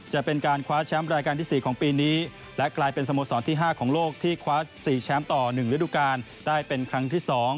จะเป็นการคว้าแชมป์รายการที่๔ของปีนี้และกลายเป็นสโมสรที่๕ของโลกที่คว้า๔แชมป์ต่อ๑ฤดูกาลได้เป็นครั้งที่๒